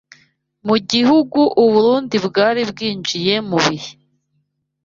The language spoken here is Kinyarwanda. mu gihe u Burundi bwari bwinjiye mu bihe